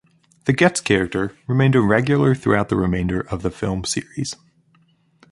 The Getz character remained a regular throughout the remainder of the film series.